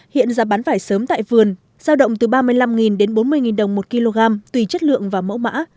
hiện giá bán vải sớm tại vườn giao động từ ba mươi năm đến bốn mươi đồng một kg tùy chất lượng và mẫu mã